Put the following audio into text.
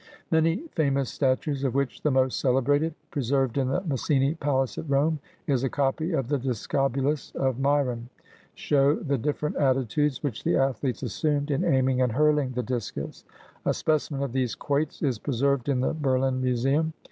Many famous statues, of which the most celebrated, preserved in the Massini Palace at Rome, is a copy of the Discobolus of IMyron, show the different attitudes which the athletes assumed in aiming and hurling the discus. A specimen of these quoits is preserved in the Berlin Museum.